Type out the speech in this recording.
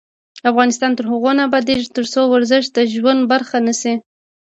افغانستان تر هغو نه ابادیږي، ترڅو ورزش د ژوند برخه نشي.